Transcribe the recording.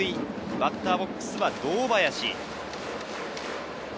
バッターボックス、堂林。